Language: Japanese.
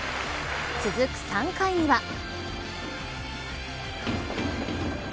続く３回には。